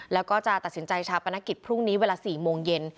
แล้วก็จะตัดสินใจชาปนกิจพรุ่งนี้เวลา๔โมงเย็น